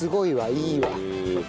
いいわ。